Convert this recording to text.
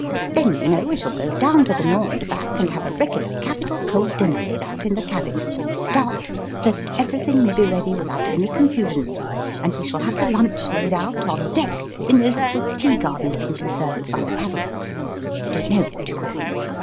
Then you know we shall go down to the Nore, and back, and have a regular capital cold dinner laid out in the cabin before we start, so that everything may be ready without any confusion ; and we shall have the lunch laid out, on deck, in those little tea garden looking concerns by the paddle boxes I don't know what you call 'em.